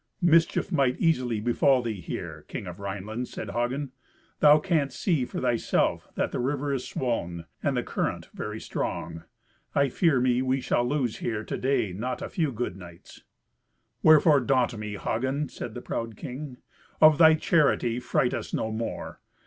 "Mischief might easily befall thee here, King of Rhineland," said Hagen; "thou canst see for thyself that the river is swoln, and the current very strong. I fear me we shall lose here to day not a few good knights." "Wherefore daunt me, Hagen?" said the proud king. "Of thy charity fright us no more.